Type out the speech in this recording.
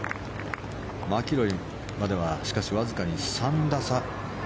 マキロイまではしかしわずかに３打差。